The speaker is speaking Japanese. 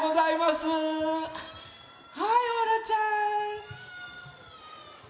はいオロちゃん。